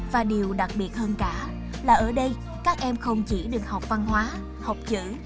và điều đặc biệt hơn cả là ở đây các em không chỉ được học văn hóa học chữ